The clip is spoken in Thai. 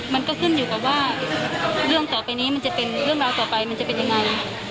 มันก็ขึ้นอยู่กับว่าเรื่องต่อไปนี้มันจะเป็นเรื่องราวต่อไปมันจะเป็นยังไง